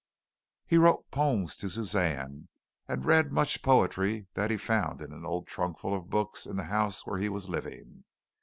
He wrote poems to Suzanne, and read much poetry that he found in an old trunkful of books in the house where he was living.